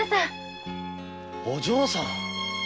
お嬢さん？